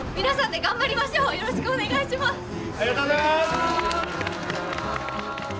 皆さんで頑張りましょう！